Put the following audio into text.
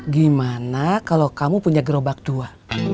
gimana kalau kamu punya gerobak dua